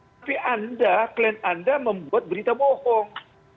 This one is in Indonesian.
tapi anda klien anda membuat berita bohong